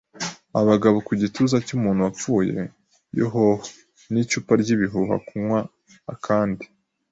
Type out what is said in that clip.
“Abagabo ku gituza cy'umuntu wapfuye - Yo-ho-ho, n'icupa ry'ibihuha! Kunywa kandi